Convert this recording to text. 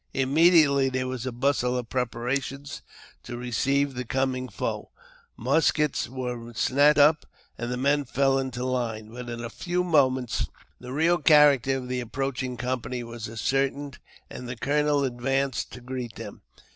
Immediately there was a bustle of preparation to receive the coming foe : muskets were snatched up, and the men fell into line ; but in a few moments the real character of the approach ing company was ascertained, and the colonel advanced to greet them.